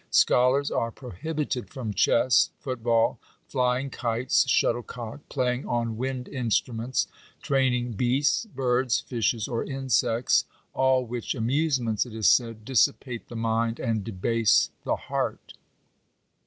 Scholars are prohibited from chess, football, flying kites, shuttle cock, playing on wind instruments, training beasts, birds, fishes, or insects — all which amusements, it is said, dissipate the mind and debase the heart."